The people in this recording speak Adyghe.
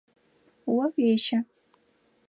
О уещэ.